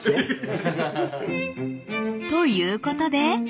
［ということで］